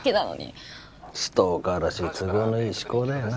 ストーカーらしい都合のいい思考だよな